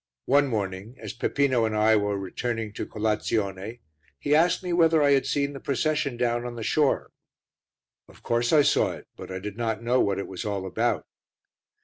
One morning, as Peppino and I were returning to colazione he asked me whether I had seen the procession down on the shore. "Of course I saw it, but I did not know what it was all about."